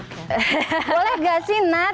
boleh gak sih nat